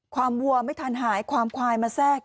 วัวไม่ทันหายความควายมาแทรก